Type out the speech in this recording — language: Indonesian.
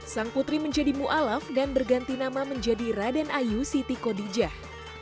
sang putri menjadi mu alaf dan berganti nama menjadi raden ayu siti kodijah